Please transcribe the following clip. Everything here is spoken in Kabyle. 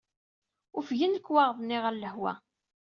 Ufgen lekwaɣeḍ-nni ɣer lehwa.